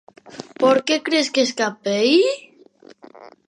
_¿Por que cres que escapei?